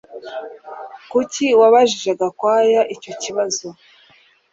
Kuki wabajije Gakwaya icyo kibazo